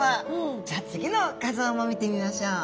じゃあ次の画像も見てみましょう。